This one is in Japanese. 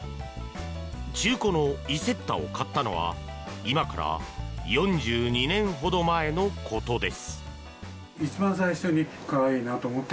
中古のイセッタを買ったのは今から４２年ほど前のことです。